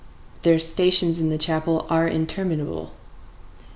Their stations in the chapel are interminable.